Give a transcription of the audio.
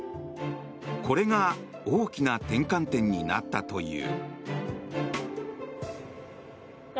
これが大きな転換点になったという。